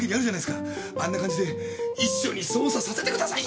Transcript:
あんな感じで一緒に捜査させてくださいよ！